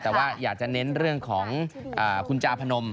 แต่ว่าอยากจะเน้นเรื่องของคุณจาพนม